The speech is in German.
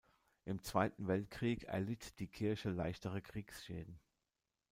Im Zweiten Weltkrieg erlitt die Kirche leichtere Kriegsschäden.